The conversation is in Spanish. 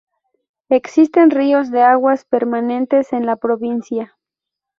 Existen ríos de aguas permanentes en la provincia.